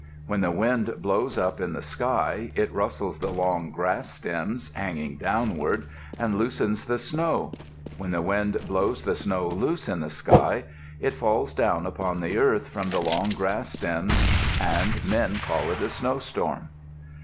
When the wind blows up in the sky it rustles the long grass stems, hanging downward, and loosens the snow. When the wind blows the snow loose in the sky, it falls down upon the earth from the long grass stems, and men call it a snowstorm.